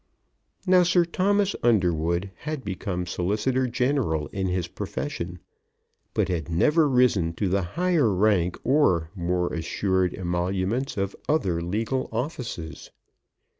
Now Sir Thomas Underwood had become Solicitor General in his profession, but had never risen to the higher rank or more assured emoluments of other legal offices.